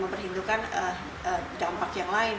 memperhitungkan dampak yang lain